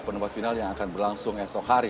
penempat final yang akan berlangsung esok hari